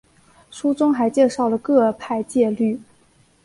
书中还介绍了各派戒律。